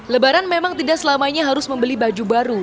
lebaran memang tidak selamanya harus membeli baju baru